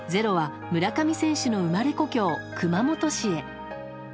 「ｚｅｒｏ」は村上選手の生まれ故郷・熊本市へ。